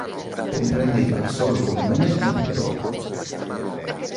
Comprendeva il solo comune di Puteaux.